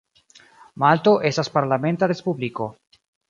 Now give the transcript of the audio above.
Malto estas parlamenta respubliko.